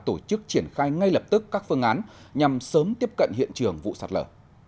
tổ chức triển khai ngay lập tức các phương án nhằm sớm tiếp cận hiện trường vụ sạt lở